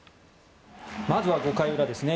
まずは５回裏ですね。